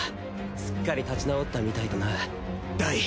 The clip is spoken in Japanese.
すっかり立ち直ったみたいだなダイ。